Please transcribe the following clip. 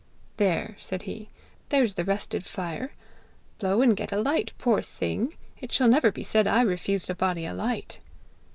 'There!' said he, 'there's the rested fire! Blow and get a light, poor thing! It shall never be said I refused a body a light!'